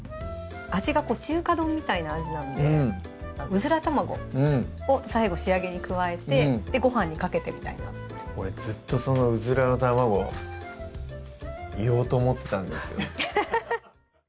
味が中華丼みたいな味なのでうずら卵を最後仕上げに加えてごはんにかけてみたいな俺ずっとそのうずらの卵言おうと思ってたんですよ